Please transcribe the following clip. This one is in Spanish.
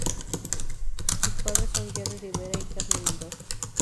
Sus padres son Jerry Rivera y Carmen Mendoza.